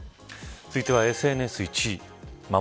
続いてはＳＮＳ１位。